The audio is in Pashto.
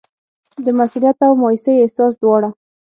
د مسوولیت او مایوسۍ احساس دواړه.